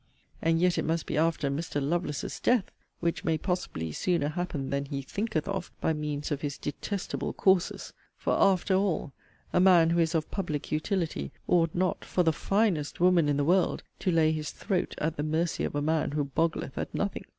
And yet it must be after Mr. 'Lovelace's death,' (which may possibly sooner happen than he 'thinketh' of, by means of his 'detestable courses':) for, after all, a man who is of 'public utility,' ought not (for the 'finest woman' in the world) to lay his 'throat' at the 'mercy' of a man who boggleth at nothing.